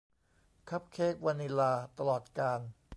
คัพเค้กวานิลลาตลอดกาล